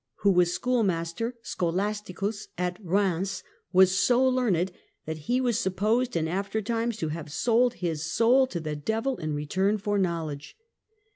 who was schoolmaster (scholastmis) at Kheims, was so learned that he was sup posed in after times to have sold his soul to the devil in return for knowledge.